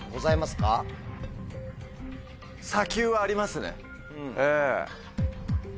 砂丘はありますねええ。